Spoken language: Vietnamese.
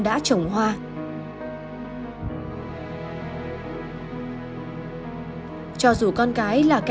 đi đứng xuống xa